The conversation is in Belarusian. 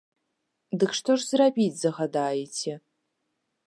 Дык што ж зрабіць загадаеце?